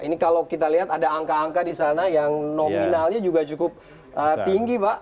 ini kalau kita lihat ada angka angka di sana yang nominalnya juga cukup tinggi pak